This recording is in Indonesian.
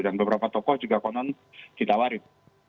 dan beberapa tokoh juga konon ditawarin